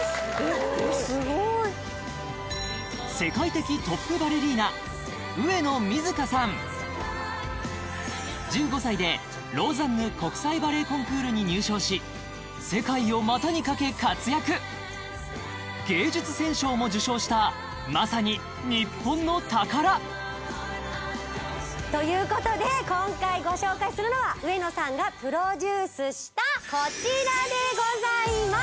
スゴーい１５歳でローザンヌ国際バレエコンクールに入賞し世界を股にかけ活躍芸術選奨も受賞したまさに日本の宝ということで今回ご紹介するのは上野さんがプロデュースしたこちらでございます